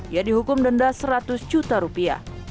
ia dihukum denda seratus juta rupiah